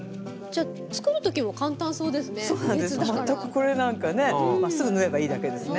これなんかねまっすぐ縫えばいいだけですね。